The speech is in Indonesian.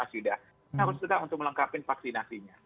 harus tetap untuk melengkapi vaksinasi